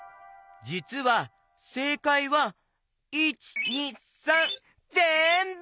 じつはせいかいは①②③ぜんぶ！